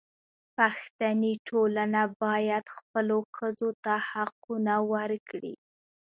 پښتني ټولنه باید خپلو ښځو ته حقونه ورکړي.